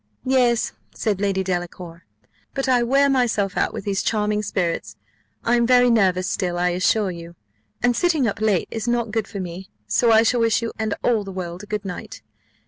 "Yes," said Lady Delacour, "but I wear myself out with these charming spirits. I am very nervous still, I assure you, and sitting up late is not good for me: so I shall wish you and all the world a good night.